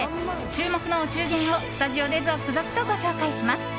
注目のお中元をスタジオで続々とご紹介します。